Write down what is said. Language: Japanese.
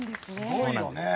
すごいよね。